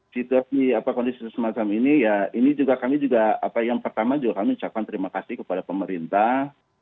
situasi kondisi semacam ini ya ini juga kami juga yang pertama juga kami ucapkan terima kasih kepada pemerintah